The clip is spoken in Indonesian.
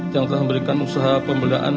yang telah memberikan usaha pembedaan